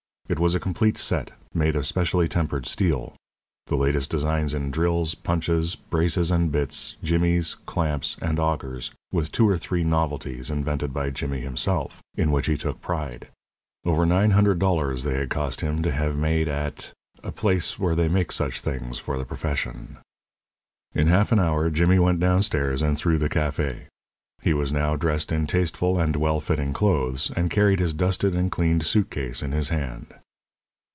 It was a complete set, made of specially tempered steel, the latest designs in drills, punches, braces and bits, jimmies, clamps, and augers, with two or three novelties, invented by Jimmy himself, in which he took pride. Over nine hundred dollars they had cost him to have made at , a place where they make such things for the profession. In half an hour Jimmy went down stairs and through the café. He was now dressed in tasteful and well fitting clothes, and carried his dusted and cleaned suit case in his hand.